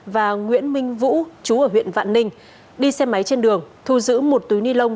và nguyễn minh vũ chú ở huyện vạn ninh đi xe máy trên đường thu giữ một túi ni lông